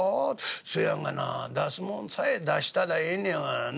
『せやがな出すもんさえ出したらええねやがな。